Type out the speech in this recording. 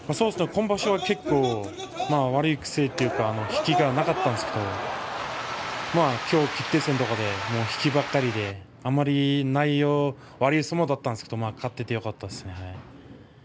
今場所は結構、悪い癖というか引きはなかったんですけれども決定戦は引きばかりで内容は悪い相撲ばかりだったんですが勝ててよかったですね。